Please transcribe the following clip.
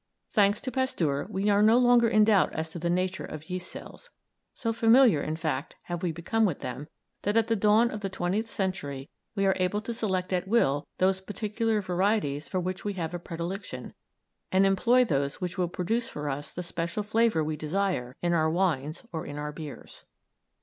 Thanks to Pasteur, we are no longer in doubt as to the nature of yeast cells; so familiar, in fact, have we become with them, that at the dawn of the twentieth century we are able to select at will those particular varieties for which we have a predilection, and employ those which will produce for us the special flavour we desire in our wines or in our beers.